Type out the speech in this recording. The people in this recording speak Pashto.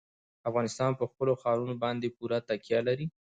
افغانستان په خپلو ښارونو باندې پوره تکیه لري.